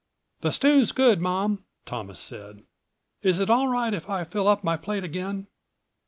"The stew's good, Mom," Thomas said. "Is it all right if I fill up my plate again?"